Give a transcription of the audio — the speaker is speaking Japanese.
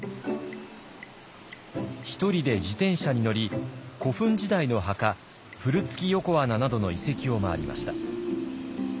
１人で自転車に乗り古墳時代の墓古月横穴などの遺跡を回りました。